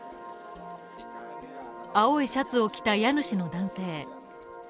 青いシャツを着た家主の男性。